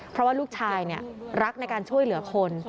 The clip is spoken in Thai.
เพราะว่าลูกชายรักในการช่วยเหลือคน